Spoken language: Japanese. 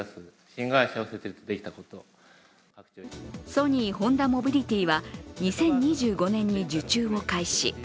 ソニー・ホンダモビリティは２０２５年に受注を開始。